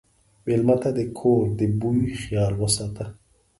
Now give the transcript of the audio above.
مېلمه ته د کور د بوي خیال وساته.